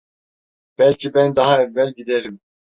Belki ben daha evvel giderim…